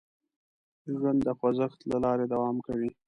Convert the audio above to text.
ژوند د خوځښت له لارې دوام کوي.